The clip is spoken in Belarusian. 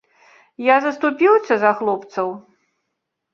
Я заступіўся за хлопцаў.